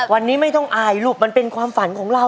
วันนี้ไม่ต้องอายลูกมันเป็นความฝันของเรา